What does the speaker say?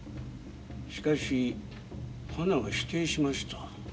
しかしハナは否定しました。